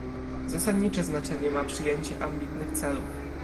Zasadnicze znaczenie ma przyjęcie ambitnych celów